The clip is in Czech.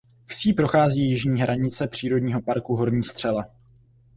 Vsí prochází jižní hranice přírodního parku Horní Střela.